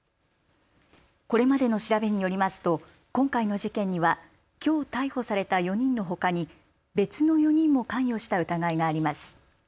これまでの調べによりますと今回の事件にはきょう逮捕された４人のほかに別の４人も関与した疑いがあります。